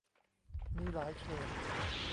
มีหลายเฉด